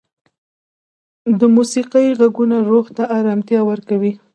د موسیقۍ ږغونه روح ته ارامتیا ورکوي.